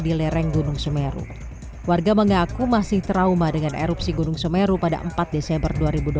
di lereng gunung semeru warga mengaku masih trauma dengan erupsi gunung semeru pada empat desember dua ribu dua puluh